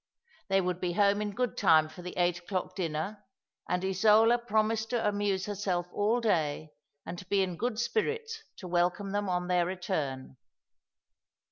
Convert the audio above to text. They would bo home in good time for the eight o'clock dinner; and Isola promised to amuse herself all day, and to be in good spirits to welcome them on their return.